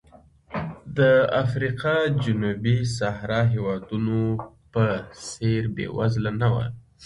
د افریقا جنوبي صحرا هېوادونو په څېر بېوزله نه و.